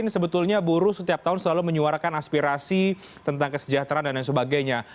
sebetulnya buruh setiap tahun selalu menyuarakan aspirasi tentang kesejahteraan dan lain sebagainya